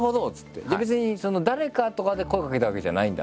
「別に誰かとかで声かけたわけじゃないんだ？」